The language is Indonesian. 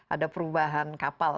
ada perubahan kapal